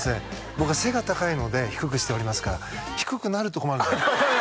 僕は背が高いので低くしておりますから低くなると困るんですよ